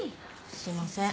すいません。